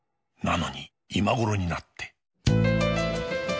なのに今頃になって